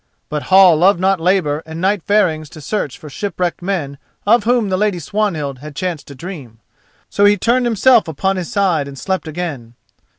But Hall loved not labour and nightfarings to search for shipwrecked men of whom the Lady Swanhild had chanced to dream. So he turned himself upon his side and slept again.